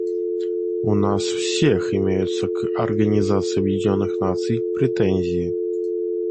У нас всех имеются к Организации Объединенных Наций претензии.